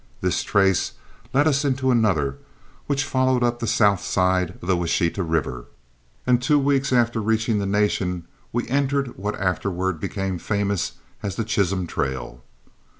This trace led us into another, which followed up the south side of the Washita River, and two weeks after reaching the Nation we entered what afterward became famous as the Chisholm trail.